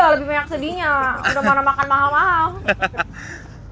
lebih banyak sedihnya udah mau makan mahal mahal